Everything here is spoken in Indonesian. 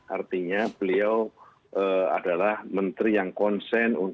artinya beliau adalah menteri yang konsen